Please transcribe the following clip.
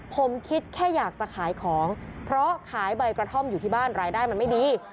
ผมคิดแค่อยากจะขายของเพราะขายใบกระท่อมอยู่ที่บ้านรายได้มันไม่ดี